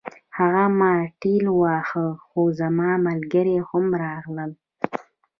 هغه ما ټېل واهه خو زما ملګري هم راغلل